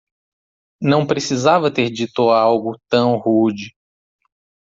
Não precisava ter dito algo tão rude